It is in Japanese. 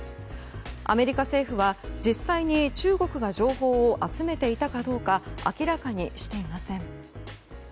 アメリカ政府は実際に中国が情報を集めていたかどうか明らかにしていません。